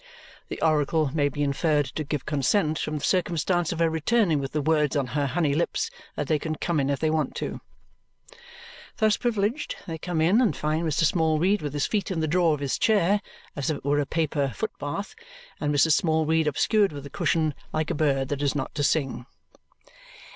The oracle may be inferred to give consent from the circumstance of her returning with the words on her honey lips that they can come in if they want to it. Thus privileged, they come in and find Mr. Smallweed with his feet in the drawer of his chair as if it were a paper foot bath and Mrs. Smallweed obscured with the cushion like a bird that is not to sing.